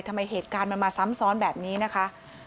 เหตุการณ์มันมาซ้ำซ้อนแบบนี้นะคะ